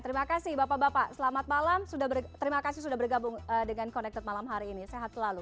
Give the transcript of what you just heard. terima kasih bapak bapak selamat malam terima kasih sudah bergabung dengan connected malam hari ini sehat selalu